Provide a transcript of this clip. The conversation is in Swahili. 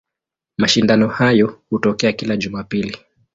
Mashindano hayo hutokea kila Jumapili.